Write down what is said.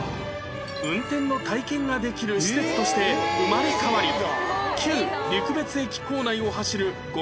運転の体験ができる施設として生まれ変わり旧陸別駅構内を走る５００メートルコース